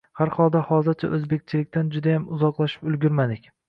Har xolda, hozircha oʻzbekchilikdan judayam uzoqlashib ulgurmadik.